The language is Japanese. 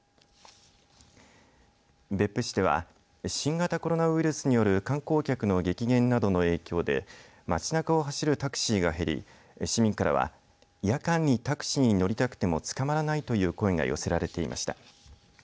別府市では新型コロナウイルスによる観光客の激減などの影響で街なかを走るタクシーが減り市民からは夜間にタクシーに乗りたくてもつかまらないという声が寄せられていました。